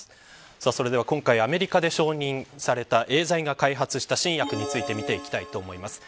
それでは今回アメリカで承認されたエーザイが開発した新薬について見ていきます。